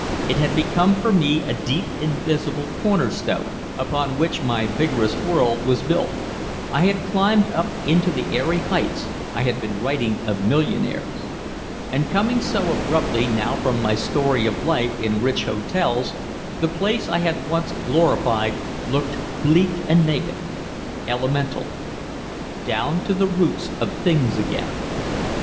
It had become for me a deep invisible corner stone upon which my vigorous world was built. I had climbed up into the airy heights, I had been writing of millionaires. And coming so abruptly now from my story of life in rich hotels, the place I had once glorified looked bleak and naked, elemental. Down to the roots of things again.